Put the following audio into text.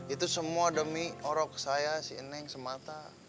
itu semua demi orok saya si eneng semata